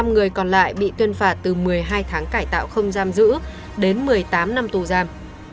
một mươi người còn lại bị tuyên phạt từ một mươi hai tháng cải tạo không giam giữ đến một mươi tám năm tù giam